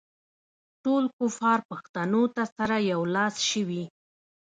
ټول کفار پښتنو ته سره یو لاس شوي.